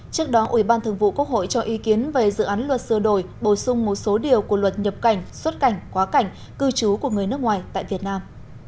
trước đó ủy ban thường vụ quốc hội cho ý kiến về dự án luật sửa đổi bổ sung một số điều của luật nhập cảnh xuất cảnh quá cảnh cư trú của người nước ngoài tại việt nam